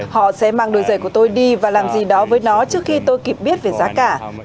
họ sẽ mang đôi giày của tôi đi và làm gì đó với nó trước khi tôi kịp biết về giá cả